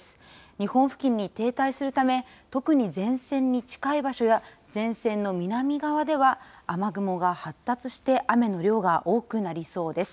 日本付近に停滞するため、特に前線に近い場所や、前線の南側では、雨雲が発達して、雨の量が多くなりそうです。